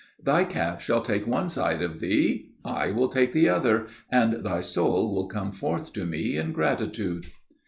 Thy calf shall take one side of thee. I will take the other, and thy soul will come forth to me in gratitude!'